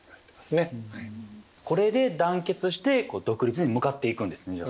これで団結して独立に向かっていくんですねじゃあ。